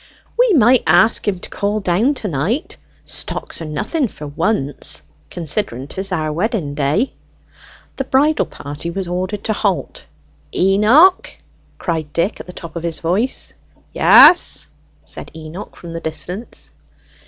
"We might ask him to call down to night. Stocks are nothing for once, considering 'tis our wedding day." The bridal party was ordered to halt. "Eno o o o ch!" cried Dick at the top of his voice. "Y a a a a a as!" said Enoch from the distance.